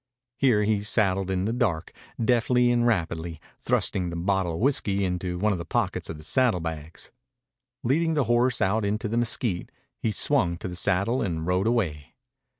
Here he saddled in the dark, deftly and rapidly, thrusting the bottle of whiskey into one of the pockets of the saddlebags. Leading the horse out into the mesquite, he swung to the saddle and rode away.